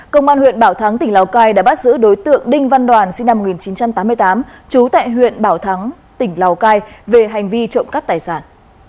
công an huyện bảo thắng tỉnh lào cai đã bắt giữ đối tượng đinh văn đoàn sinh năm một nghìn chín trăm tám mươi tám trú tại huyện bảo thắng tỉnh lào cai về hành vi trộm cắp tài sản